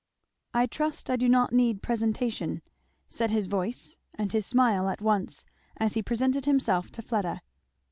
"I trust I do not need presentation," said his voice and his smile at once, as he presented himself to Fleda.